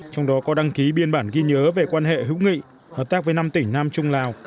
trong đó có đăng ký biên bản ghi nhớ về quan hệ hữu nghị hợp tác với năm tỉnh nam trung lào